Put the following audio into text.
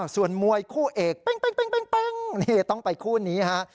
ส่วนมวยคู่เอกต้องไปคู่นี้ค่ะ